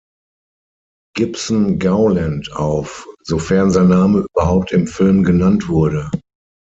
Gibson Gowland“ auf, sofern sein Name überhaupt im Film genannt wurde.